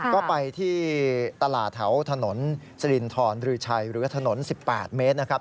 ก็ไปที่ตลาดแถวถนนสลินทรหรือชัยหรือถนน๑๘เมตรนะครับ